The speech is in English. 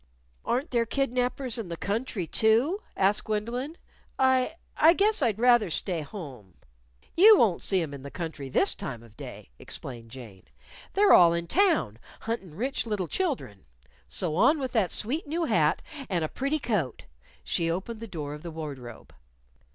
"Aren't there kidnapers in the country, too?" asked Gwendolyn. "I I guess I'd rather stay home." "You won't see 'em in the country this time of day," explained Jane. "They're all in town, huntin' rich little children. So on with the sweet new hat and a pretty coat!" She opened the door of the wardrobe.